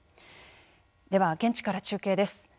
では現地から中継です。